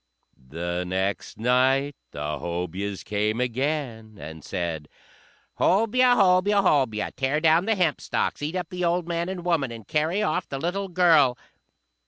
The next night the Hobyahs came again, and said, "Hobyah! Hobyah! Hobyah! Tear down the hempstalks, eat up the old man and woman, and carry off the little girl!"